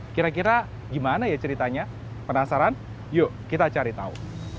kira kira gimana ya ceritanya penasaran yuk kita cari tahu